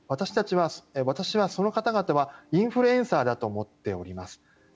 私はその方々はインフルエンサーだと思っております。